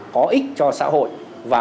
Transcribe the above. có ích cho xã hội và